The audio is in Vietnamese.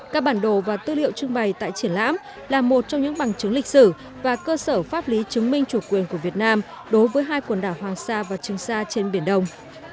các bản đồ và tư liệu trưng bày tại triển lãm là một trong những bằng chứng lịch sử và cơ sở pháp lý chứng minh chủ quyền của việt nam đối với hai quần đảo hoàng sa và trường sa trên biển đông